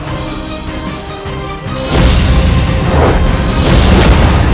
mereka sudah berusaha untuk mencari yunda subanglarak